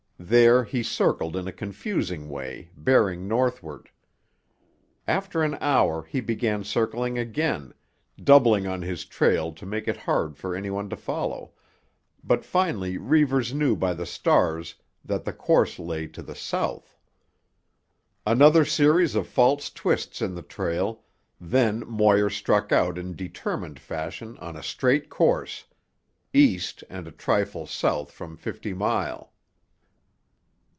There he circled in a confusing way, bearing northward. After an hour he began circling again, doubling on his trail to make it hard for any one to follow, but finally Reivers knew by the stars that the course lay to the south. Another series of false twists in the trail, then Moir struck out in determined fashion on a straight course, east and a trifle south from Fifty Mile.